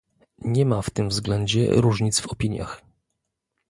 nie ma w tym względzie różnic w opiniach